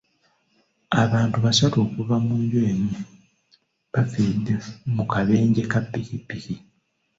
Abantu basatu okuva mu nju emu baafiiridde mu kabenje ka ppikipiki.